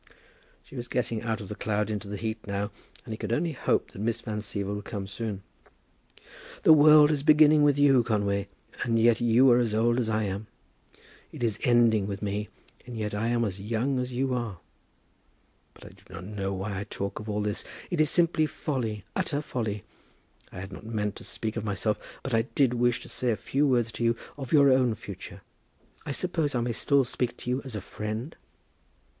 She was getting out of the cloud into the heat now, and he could only hope that Miss Van Siever would come soon. "The world is beginning with you, Conway, and yet you are as old as I am. It is ending with me, and yet I am as young as you are. But I do not know why I talk of all this. It is simply folly, utter folly. I had not meant to speak of myself; but I did wish to say a few words to you of your own future. I suppose I may still speak to you as a friend?"